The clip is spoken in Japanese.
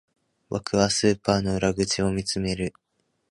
僕はスーパーの裏口を見つめる